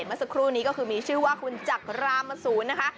เมื่อสักครู่นี้ก็คือมีชื่อว่าคุณจักรามศูนย์นะคะ